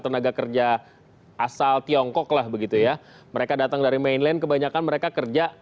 tenaga kerja asal tiongkok lah begitu ya mereka datang dari mainland kebanyakan mereka kerja